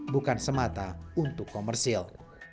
bukan semata untuk komersil